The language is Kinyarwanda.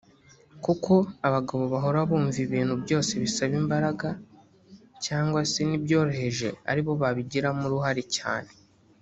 Kuko abagabo bahora bumva ibintu byose bisaba imbaraga cyangwa se n’ibyoroheje ari bo babigiramo uruhare cyane